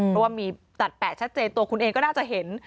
เพราะว่ามีตัดแปะชัดเจนตัวคุณเองก็น่าจะเห็น